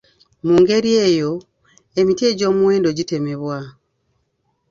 Mu ngeri eyo, emiti egy'omuwendo gitemebwa.